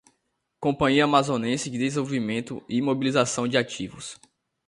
Companhia Amazonense de Desenvolvimento e Mobilização de Ativos